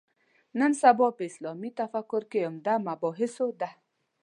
نن سبا په اسلامي تفکر کې عمده مباحثو ده.